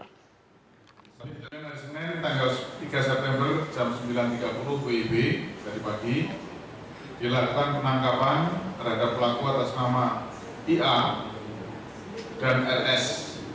pada jam tiga september jam sembilan tiga puluh wib dari pagi dilakukan penangkapan terhadap pelaku atas nama ia dan rs